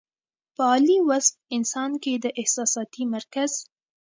پۀ عالي وصف انسان کې د احساساتي مرکز